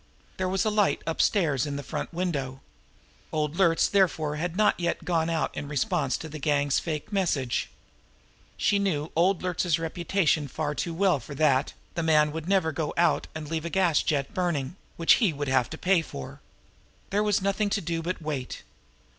There was a light upstairs in the front window. Old Luertz therefore had not yet gone out in response to the gang's fake message. She knew old Luertz's reputation far too well for that; the man would never go out and leave a gas jet burning which he would have to pay for! There was nothing to do but wait.